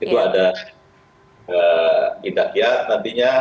itu ada indah indah nantinya